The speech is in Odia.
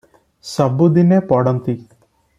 ସବୁଦିନେ ପଡ଼ନ୍ତି ।